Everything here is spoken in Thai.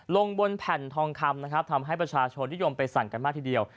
ลงบนแผ่นทองคำนะครับทำให้ประชาชนนิยมไปสั่งกันมากทีเดียว